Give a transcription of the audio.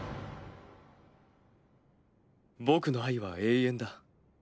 僕の愛は永遠だ。